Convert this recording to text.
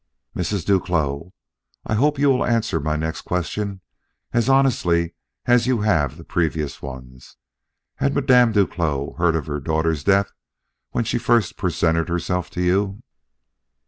"Mrs. Duclos, I hope you will answer my next question as honestly as you have the previous ones. Had Madame Duclos heard of her daughter's death when she first presented herself to you?"